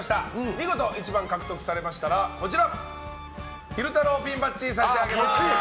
見事１番を獲得されましたら昼太郎ピンバッジを差し上げます。